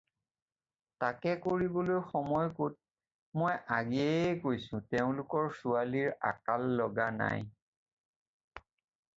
তাকে কৰিবলৈ সময় ক'ত! মই আগেয়েই কৈছোঁ তেওঁলোকৰ ছোৱালীৰ আকাল লগা নাই।